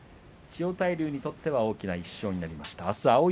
千代大龍にとっては大きな１勝となりました。